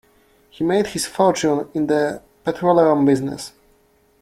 He made his fortune in the petroleum business.